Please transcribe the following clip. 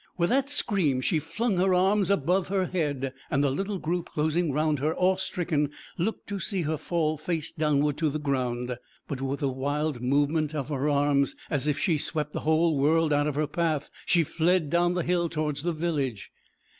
With that scream she flung her arms above her head. The little group, closing round her awe stricken, looked to see her fall face downward to the ground. But with a wild movement of her arms, as if she swept the whole world out of her path, she fled down the hill towards the village.